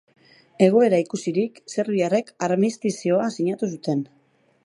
Egoera ikusirik serbiarrek armistizioa sinatu zuten.